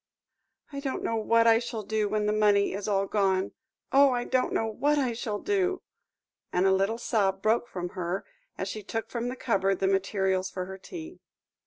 "I don't know what I shall do when the money is all gone. Oh! I don't know what I shall do," and a little sob broke from her, as she took from the cupboard the materials for her tea.